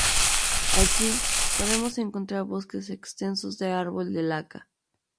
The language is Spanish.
Allí podemos encontrar bosques extensos de árbol de laca.